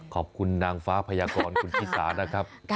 ขอบคุณนางฟ้าพยากรคุณชิสานะครับ